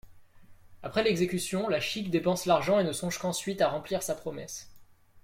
Après l'exécution, La Chique dépense l'argent et ne songe qu'ensuite à remplir sa promesse.